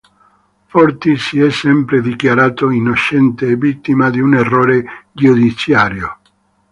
Forti si è sempre dichiarato innocente e vittima di un errore giudiziario.